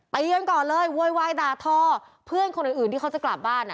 ไปเลี้ยงก่อนเลยเว้ยดาท่อเพื่อนคนอื่นที่เขาจะกลับบ้าน